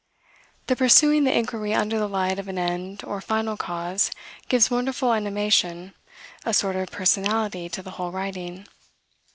The pursuing the inquiry under the light of an end or final cause, gives wonderful animation, a sort of personality to the whole writing.